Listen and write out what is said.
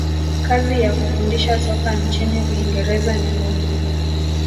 kazi ya kufundisha soka nchini uingereza ni ngumu